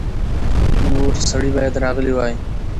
نور سړي باید راغلي وای.